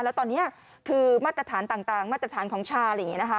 แล้วตอนนี้คือมาตรฐานต่างมาตรฐานของชาอะไรอย่างนี้นะคะ